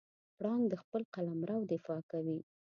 پړانګ د خپل قلمرو دفاع کوي.